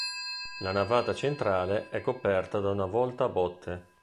La navata centrale è coperta da una volta a botte.